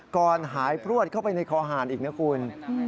ก่อนหายพลวดเข้าไปในคอหารอีกนะคุณ